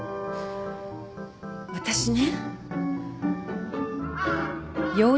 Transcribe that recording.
私ね。